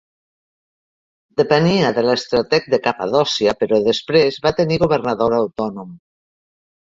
Depenia de l'estrateg de Capadòcia però després va tenir governador autònom.